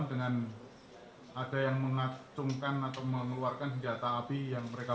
sementara ini apa pemicu yang melakukan mereka